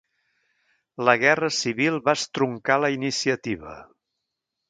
La Guerra Civil va estroncar la iniciativa.